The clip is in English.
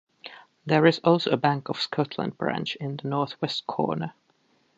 There is also a Bank of Scotland branch in the north west corner.